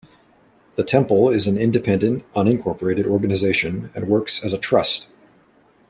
The Temple is an independent, unincorporated organisation, and works as a trust.